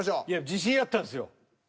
自信あったんすよ。